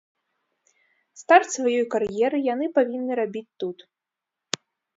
Старт сваёй кар'еры яны павінны рабіць тут.